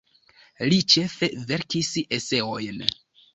Li ĉefe verkis eseojn.